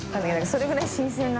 それぐらい新鮮な。